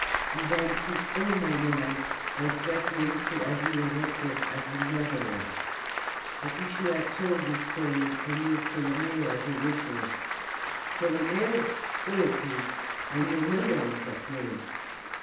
He then took all my money by threatening to have me arrested as the murderer." "But if you had told this story, and used Tolomeo as a witness " "Tolomeo? who is he? I know no one of that name."